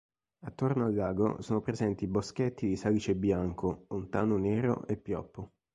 Attorno al lago sono presenti boschetti di salice bianco, ontano nero e pioppo.